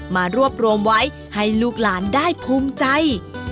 มารวบรวมไว้ให้ลูกหลานได้ภูมิใจ